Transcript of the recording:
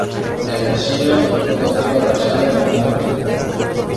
El relleno es coco seco rallado mezclado con azúcar.